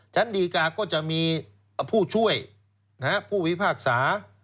ชั้นดีกาก็จะมีผู้ช่วยผู้พิพากษา